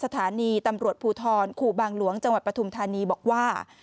สถานีตำรวจภูทรครูบางหลวงจังหวัดปฐุมธานีบอกว่า